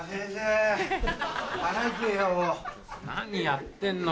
何やってんの？